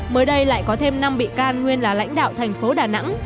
mới đây lại có thêm năm bị can nguyên là lãnh đạo thành phố đà nẵng